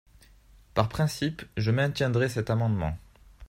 Par principe, je maintiendrai cet amendement.